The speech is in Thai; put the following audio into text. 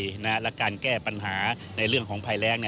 และการแก้ปัญหาในเรื่องของภัยแรง